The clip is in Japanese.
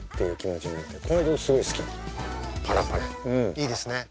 いいですね。